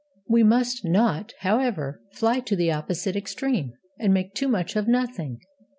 We must not, however, fly to the opposite extreme, and make too much of Nothing.